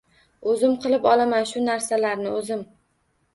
O‘zim qilib olaman shu narsalarni, o‘zim.